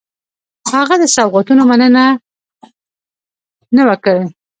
هغه د سوغاتونو مننه نه وه کړې.